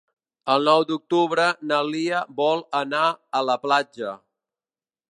El nou d'octubre na Lia vol anar a la platja.